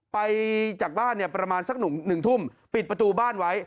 ไปจากบ้านเนี่ยประมาณสัก๑ทุ่มปิดประตูบ้านไว้